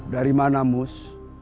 dari mana mus